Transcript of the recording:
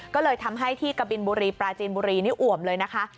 ก็เลยทำให้ที่กะบินบุรีปลาจีนบุรีนี่อ่วมเลยนะคะ